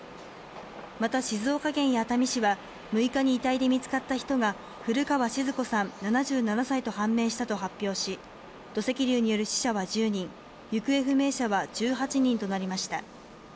また、静岡県や熱海市は６日に遺体で見つかった人が古川靜子さん、７７歳と判明したと発表し土石流による死者は１０人行方不明者は１８人となりました。